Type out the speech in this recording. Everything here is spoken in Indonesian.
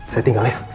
saya tinggal ya